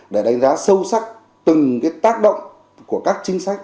để đánh giá sâu sắc từng tác động của các chính sách